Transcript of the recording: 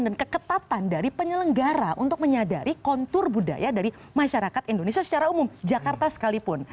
dan keketatan dari penyelenggara untuk menyadari kontur budaya dari masyarakat indonesia secara umum jakarta sekalipun